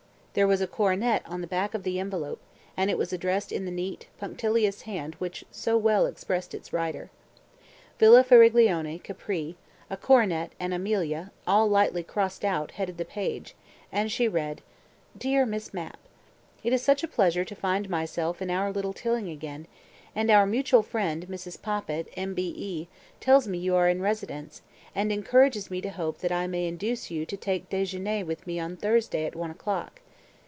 There was a coronet on the back of the envelope, and it was addressed in the neat, punctilious hand which so well expressed its writer. Villa Faraglione, Capri, a coronet and Amelia all lightly crossed out headed the page, and she read: DEAR MISS MAPP, It is such a pleasure to find myself in our little Tilling again, and our mutual friend Mrs. Poppit, M.B.E., tells me you are in residence, and encourages me to hope that I may induce you to take déjeuner with me on Thursday, at one o'clock.